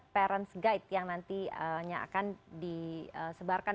parents guide yang nantinya akan disebarkan